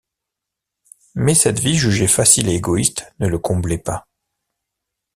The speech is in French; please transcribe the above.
Mais cette vie jugée facile et égoïste ne le comblait pas.